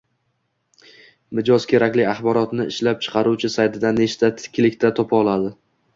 Mijoz kerakli axborotni ishlab chiqaruvchi saytidan nechta klikda topa oladi?